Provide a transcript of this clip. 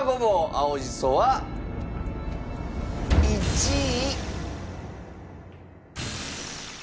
青しそは１位。